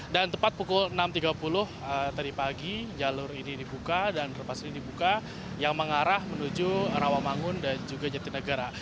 dan tepat pukul enam tiga puluh tadi pagi jalur ini dibuka dan underpass ini dibuka yang mengarah menuju rawamangun dan juga jatinegara